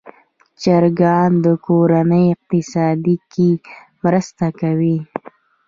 چرګان د کورنۍ اقتصاد کې مرسته کوي.